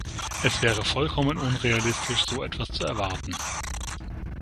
Es wäre vollkommen unrealistisch, so etwas zu erwarten.